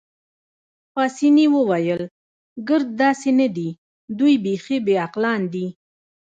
پاسیني وویل: ګرد داسې نه دي، دوی بیخي بې عقلان دي.